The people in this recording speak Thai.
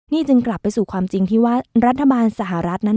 นี่จึงกลับไปสู่ความจริงที่ว่ารัฐบาลสหรัฐนั้น